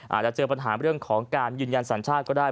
อาจจะเจอปัญหาเรื่องของการยืนยันสัญชาติก็ได้